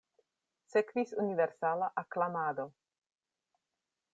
Sekvis universala aklamado.